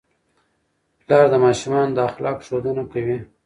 پلار د ماشومانو د اخلاقو ښودنه کوي.